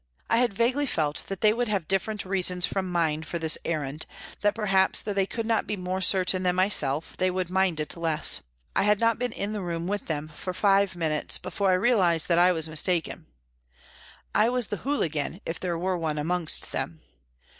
I had vaguely felt that they would have different reasons from mine for this errand, that perhaps, though they could not be more certain than myself, they would mind it less. I had not been in the room with them five minutes before I realised that I was mistaken. I was the " hooligan," if there were one amongst them.